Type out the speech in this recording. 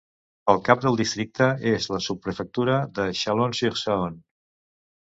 El cap del districte és la sotsprefectura de Chalon-sur-Saône.